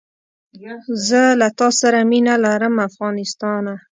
زه له تاسره مینه لرم افغانستانه